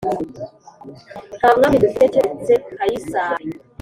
” “nta mwami dufite keretse kayisari”